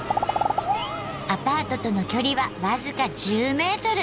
アパートとの距離は僅か１０ｍ！